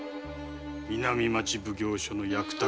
南町奉行所の役宅